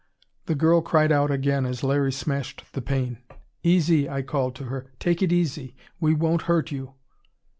The girl cried out again as Larry smashed the pane. "Easy," I called to her. "Take it easy. We won't hurt you."